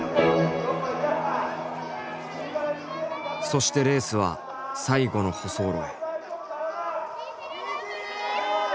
そしてレースは最後の舗装路へ。